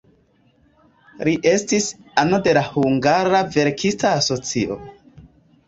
Li estis ano de la hungara verkista asocio.